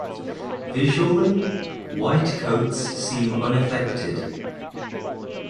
Visually, white coats seem unaffected.